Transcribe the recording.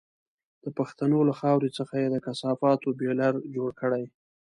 د پښتنو له خاورې څخه یې د کثافاتو بيولر جوړ کړی.